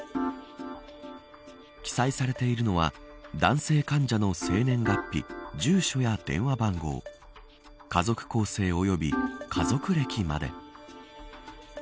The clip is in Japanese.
記載されているのは男性患者の生年月日住所や電話番号家族構成および家族歴まで。